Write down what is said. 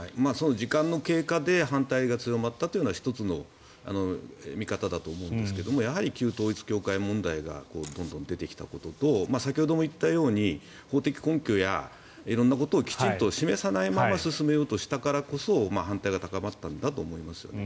時間の経過で反対が強まったというのは１つの見方だと思うんですがやはり旧統一教会問題がどんどん出てきたことと先ほども言ったように法的根拠や色んなことをきちんと示さないまま進めようとしたからこそ反対が高まったんだと思いますよね。